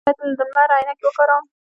ایا زه باید د لمر عینکې وکاروم؟